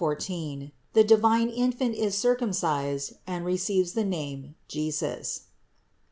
THE DIVINE INFANT IS CIRCUMCISED AND RECEIVES THE NAME JESUS.